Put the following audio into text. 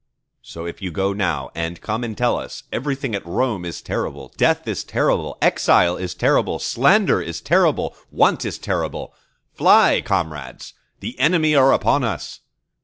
_ So if you go now, and come and tell us: "Everything at Rome is terrible: Death is terrible, Exile is terrible, Slander is terrible, Want is terrible; fly, comrades! the enemy are upon us!"